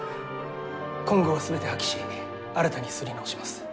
今号は全て破棄し新たに刷り直します。